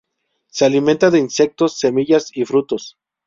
Se alimenta de insectos, semillas y frutos.